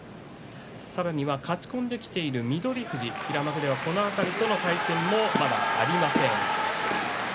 さらには勝ち込んできている翠富士平幕勢この辺りとの対戦もまだありません。